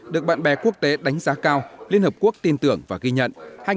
được bạn bè quốc tế đánh giá cao liên hợp quốc tin tưởng và ghi nhận